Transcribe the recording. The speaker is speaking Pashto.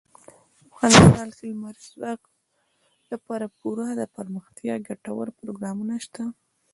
افغانستان کې د لمریز ځواک لپاره پوره دپرمختیا ګټور پروګرامونه شته دي.